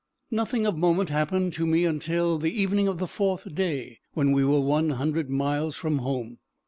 Nothing of moment happened to me until the evening of the fourth day, when we were one hundred miles from home.